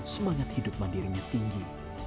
semangat hidup mandirinya tinggi